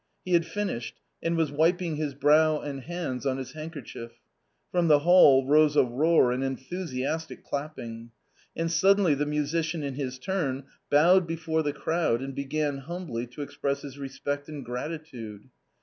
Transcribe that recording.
He had finished, and was wiping his brow and hands on his hand kerchief. From the hall rose a roar and enthusiastic clap ping. And suddenly the musician in his turn bowed before the crowd and began humbly to express his respect and gratitude.